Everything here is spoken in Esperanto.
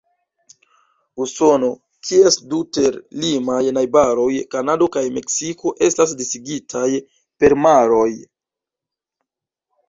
Usono, kies du ter-limaj najbaroj, Kanado kaj Meksiko, estas disigitaj per maroj.